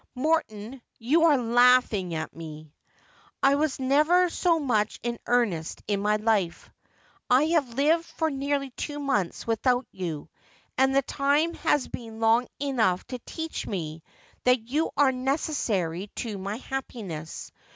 ' Morton, you are laughing at me.' ' I was never so much in earnest in my life. I have lived for nearly two months without you, and the time has been long enough to teach me that you are necessary to my happi ness.